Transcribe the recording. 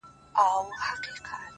زما دې ژوند د ارواحونو په زنځير وتړئ;